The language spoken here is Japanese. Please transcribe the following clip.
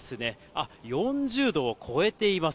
あっ、４０度を超えています。